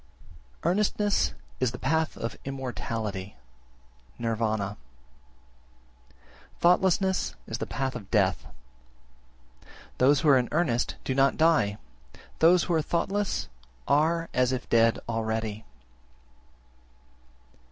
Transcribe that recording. Earnestness is the path of immortality (Nirvana), thoughtlessness the path of death. Those who are in earnest do not die, those who are thoughtless are as if dead already.